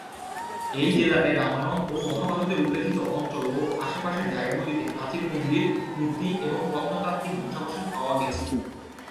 এই জেলাতে রামায়ণ ও মহাভারতে উল্লিখিত অঞ্চল ও আশেপাশের জায়গাগুলিতে প্রাচীন মন্দির, মূর্তি এবং প্রত্নতাত্ত্বিক ধ্বংসাবশেষ পাওয়া গেছে।